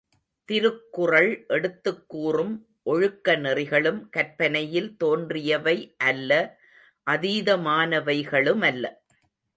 திருக்குறள் எடுத்துக் கூறும் ஒழுக்க நெறிகளும் கற்பனையில் தோன்றியவை அல்ல அதீதமானவைகளுமல்ல.